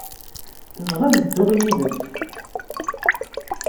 Tebɣa ad dduɣ yid-s.